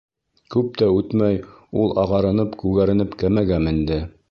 Күп тә үтмәй ул ағарынып-күгәренеп кәмәгә менде.